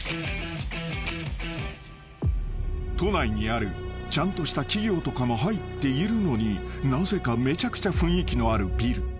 ［都内にあるちゃんとした企業とかが入っているのになぜかめちゃくちゃ雰囲気のあるビル］